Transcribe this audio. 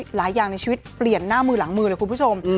หลายอย่างในชีวิตเปลี่ยนหน้ามือหลังมือเลยคุณผู้ชม